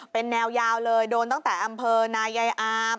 เป็นแนวยาวเลยโดนตั้งแต่อำเภอนายายอาม